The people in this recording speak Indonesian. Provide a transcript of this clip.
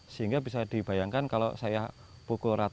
sehingga bisa dibayangkan kalau saya pukul jam enam